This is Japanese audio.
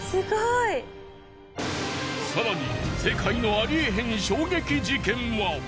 更に世界のありえへん衝撃事件は。